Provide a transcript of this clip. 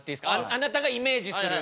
あなたがイメージする。